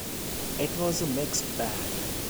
It was a mixed bag.